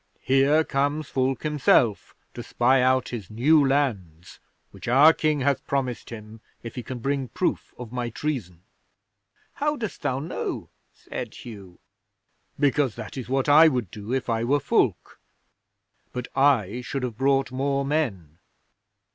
Here comes Fulke himself to spy out his new lands which our King hath promised him if he can bring proof of my treason." '"How dost thou know?" said Hugh. '"Because that is what I would do if I were Fulke, but I should have brought more men.